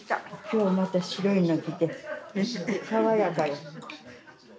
今日また白いの着て爽やかよ。